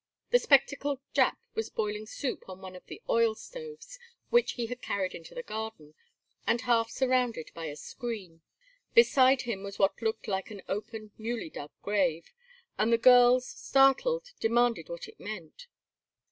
The spectacled Jap was boiling soup on one of the oil stoves, which he had carried into the garden and half surrounded by a screen. Beside him was what looked like an open newly dug grave, and the girls, startled, demanded what it meant.